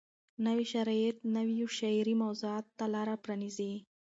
نوي شرایط نویو شعري موضوعاتو ته لار پرانیزي.